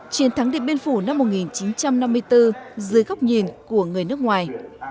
chiến thắng điện biên phủ năm một nghìn chín trăm năm mươi bốn dưới góc nhìn của người nước ngoài